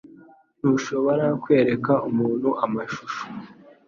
Ntushobora kwereka umuntu amashusho